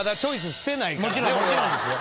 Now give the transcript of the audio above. もちろんですよ。